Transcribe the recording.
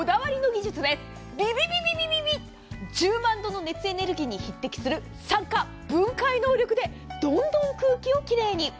１０万度の熱エネルギーに匹敵する酸化分解力でどんどん空気を奇麗に。